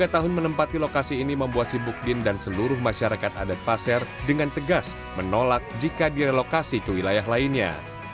enam puluh tiga tahun menempati lokasi ini membuat sibukdin dan seluruh masyarakat adat pasar dengan tegas menolak jika direlokasi ke wilayah lainnya